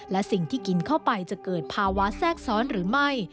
และสิ่งที่กินเข้าไปจะเกิดภาวะแทรกซ้อนหรือไม่